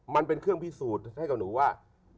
มันเป็นเครื่องพิสูจน์ให้กับหนูว่า